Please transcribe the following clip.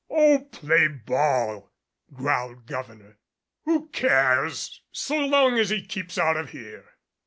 "Oh, play ball," growled Gouverneur. "Who cares so long as he keeps out of here."